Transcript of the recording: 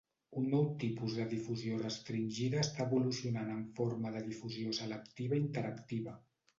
Un nou tipus de difusió restringida està evolucionant en forma de difusió selectiva interactiva.